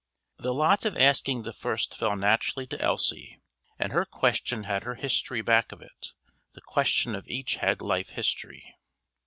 The lot of asking the first fell naturally to Elsie, and her question had her history back of it; the question of each had life history.